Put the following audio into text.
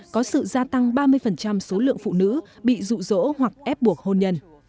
có sự gia tăng ba mươi số lượng phụ nữ bị rụ rỗ hoặc ép buộc hôn nhân